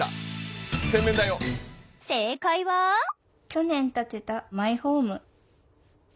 去年建てたマイホーム。